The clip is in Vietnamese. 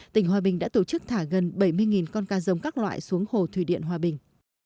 tỉnh hòa bình đã tổ chức thả gần bảy mươi con cá giống các loại xuống hồ thủy điện hòa bình